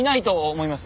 思います？